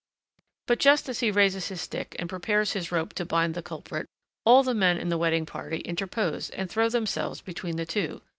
But just as he raises his stick and prepares his rope to bind the culprit, all the men in the wedding party interpose and throw themselves between the two.